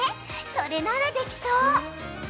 それならできそう。